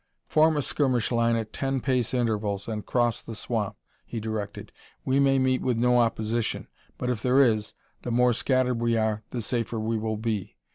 "Form a skirmish line at ten pace intervals and cross the swamp," he directed. "We may meet with no opposition, but if there is, the more scattered we are, the safer we will be.